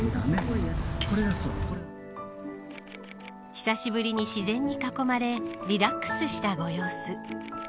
久しぶりに自然に囲まれリラックスしたご様子。